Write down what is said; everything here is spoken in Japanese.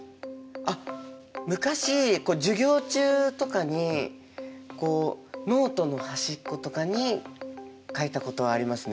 あっ昔授業中とかにこうノートの端っことかに描いたことありますね。